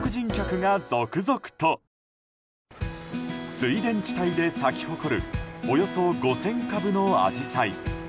水田地帯で咲き誇るおよそ５０００株のアジサイ。